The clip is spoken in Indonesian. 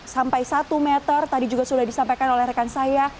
sampai satu meter tadi juga sudah disampaikan oleh rekan saya